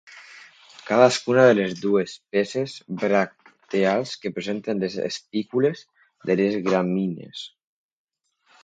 Cadascuna de les dues peces bracteals que presenten les espícules de les gramínies.